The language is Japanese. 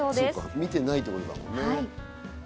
見てないってことだもんね。